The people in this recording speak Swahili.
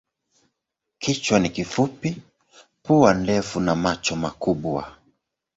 Kichwa ni kifupi, pua ndefu na macho makubwa.